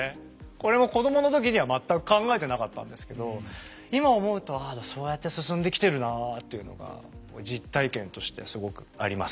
これも子供の時には全く考えてなかったんですけど今思うと「ああそうやって進んできてるなあ」っていうのがこう実体験としてすごくありますね。